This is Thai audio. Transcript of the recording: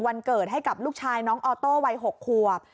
วันเกิดให้กับลูกชายน้องออโต้วัย๖ขวบ